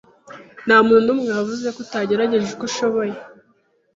Ntamuntu numwe wavuze ko utagerageje uko ushoboye.